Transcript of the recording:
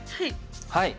はい。